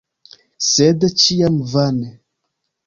Sed ĉiam vane.